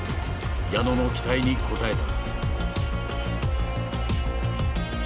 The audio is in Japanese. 矢野の期待に応えた。